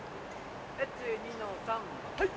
１２の３はい。